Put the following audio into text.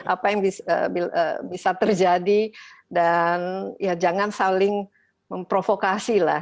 apa yang bisa terjadi dan ya jangan saling memprovokasi lah